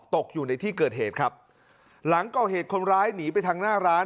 ตกอยู่ในที่เกิดเหตุครับหลังก่อเหตุคนร้ายหนีไปทางหน้าร้าน